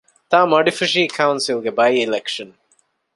ތ.މަޑިފުށީ ކައުންސިލްގެ ބައި-އިލެކްޝަން